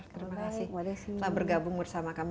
terima kasih telah bergabung bersama kami